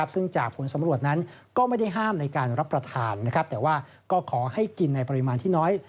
ซึ่งจากผลสำรวจนั้นก็ไม่ได้ห้ามในการรับประทานแต่ว่าก็ขอให้กินในปริมาณที่น้อย